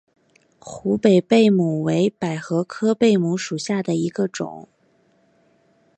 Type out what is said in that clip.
湖北贝母为百合科贝母属下的一个种。